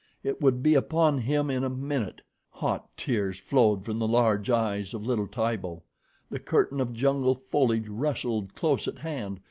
It would be upon him in a minute. Hot tears flowed from the large eyes of little Tibo. The curtain of jungle foliage rustled close at hand.